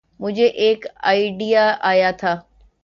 مجھے ایک آئڈیا آیا تھا۔